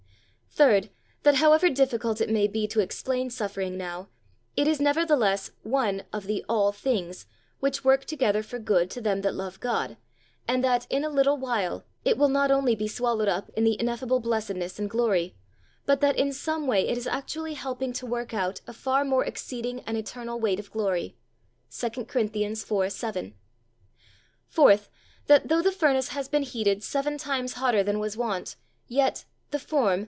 Third, that however difficult it may be to explain suffering now, it is nevertheless one of the "all things" which "work together for good to them that love God," and that in a "little while" it will not only be swallowed up in the ineffable blessedness and glory, but that in some way it is actually helping to work out "a far more exceeding and eternal weight of glory" (2 Cor. iv. 7). Fourth, that though the furnace has been heated seven times hotter than was wont, yet "the Form...